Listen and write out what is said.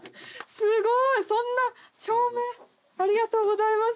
そんな証明ありがとうございます！